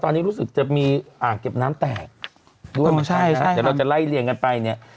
ตอนนี้รู้สึกจะมีอ่าเก็บน้ำแตกใช่ใช่ครับแต่เราจะไล่เรียงกันไปเนี่ย